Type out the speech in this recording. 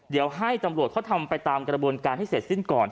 เดี๋ยวให้ตำรวจเขาทำไปตามกระบวนการให้เสร็จสิ้นก่อน